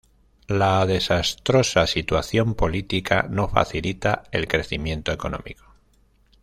La desastrosa situación política no facilita el crecimiento económico.